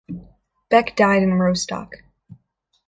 Beck died in Rostock.